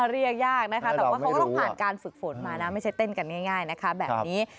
เรียกยากนะคะแต่ว่าเขาก็ต้องผ่านการฝึกฝนมานะไม่ใช่เต้นกันง่ายนะคะแบบนี้